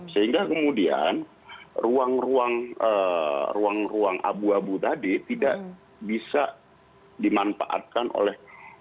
sehingga kemudian ruang ruang abu abu tadi tidak bisa dimanfaatkan oleh